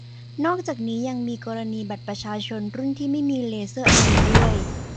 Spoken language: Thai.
นอกจากนี้ ยังมีกรณีบัตรประชาชนรุ่นที่ไม่มีเลเซอร์ไอดีด้วย